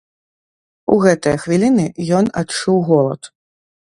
У гэтыя хвіліны ён адчуў голад.